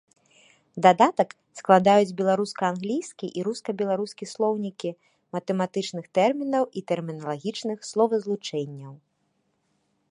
Дадатак складаюць беларуска-англійскі і руска-беларускі слоўнікі матэматычных тэрмінаў і тэрміналагічных словазлучэнняў.